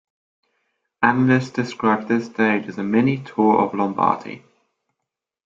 Analysts described this stage as a 'Mini Tour of Lombardy'.